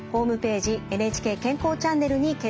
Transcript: ＮＨＫ健康チャンネルに掲載しています。